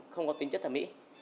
không có tính chất thẩm mỹ